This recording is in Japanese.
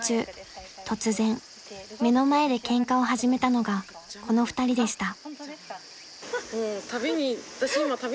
突然目の前でケンカを始めたのがこの２人でした］